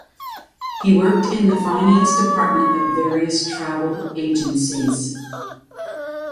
He worked in the finance department of various travel agencies.